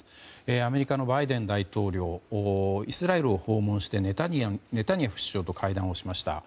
アメリカのバイデン大統領イスラエルを訪問してネタニヤフ首相と会談をしました。